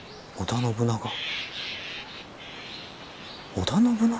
織田信長。